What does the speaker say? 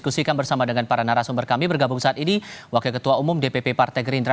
selamat sore semuanya apa kabar